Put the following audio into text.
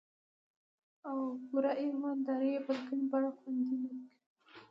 او په پوره ايمان دارۍ يې په ليکني بنه خوندي نه کړي.